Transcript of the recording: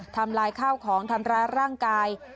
ทำลายข้าวของทำร้ายร่างกาย